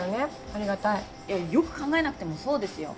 ありがたいよく考えなくてもそうですよ